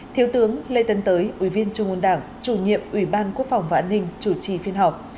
thiếu tướng lê tân tới ủy viên trung ương đảng chủ nhiệm ủy ban quốc phòng và an ninh chủ trì phiên họp